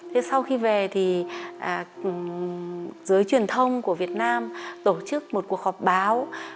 thế sau khi về thì giới truyền thông của việt nam tổ chức một cuộc họp báo